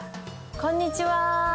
こんにちは。